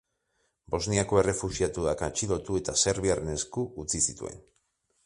Bosniako errefuxiatuak atxilotu eta serbiarren esku utzi zituen.